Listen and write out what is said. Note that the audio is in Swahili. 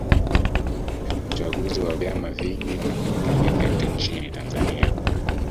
uchaguzi wa vyama vingi unafanyika miaka yote nchini tanzania